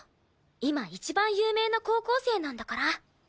今一番有名な高校生なんだから。